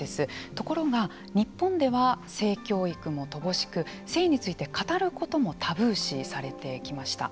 ところが、日本では性教育も乏しく性について語ることもタブー視されてきました。